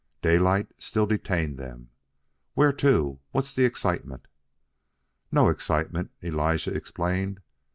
Daylight still detained them. "Where to? What's the excitement?" "No excitement," Elijah explained.